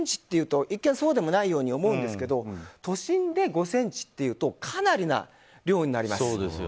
５ｃｍというと一見そうでもないように思うんですけど都心で５ｃｍというとかなりな量になります。